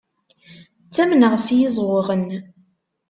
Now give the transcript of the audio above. Ttamneɣ s yiẓɣuɣen.